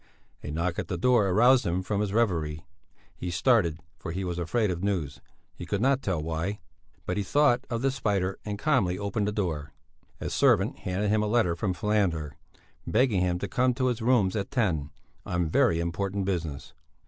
A knock at the door aroused him from his reverie; he started, for he was afraid of news, he could not tell why; but he thought of the spider and calmly opened the door. A servant handed him a letter from Falander, begging him to come to his rooms at ten, on very important business.